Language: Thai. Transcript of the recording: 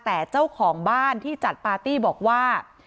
แต่เจ้าของบ้านที่จัดปาร์ตี้บอกว่า